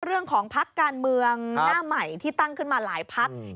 เรื่องของภักดิ์การเมืองหน้าใหม่ที่ตั้งขึ้นมาหลายภักดิ์